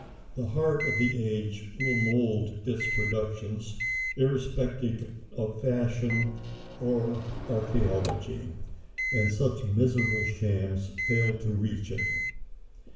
The heart of the age will mould its productions irrespective of fashion or archæology, and such miserable shams fail to reach it.